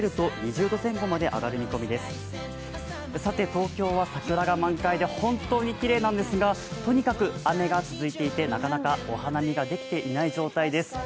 東京は桜が満開で本当にきれいなんですが、とにかく雨が続いていてなかなかお花見ができていない状態です。